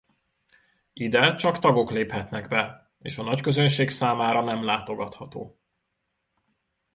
Ide csak tagok léphetnek be és a nagyközönség számára nem látogatható.